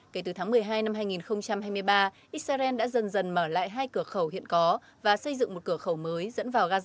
kể từ tháng một mươi hai năm hai nghìn hai mươi ba israel đã dần dần mở lại hai cửa khẩu hiện có và xây dựng một cửa khẩu mới dẫn vào gaza